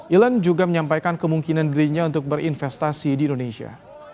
elon juga menyampaikan kemungkinan dirinya untuk berinvestasi di indonesia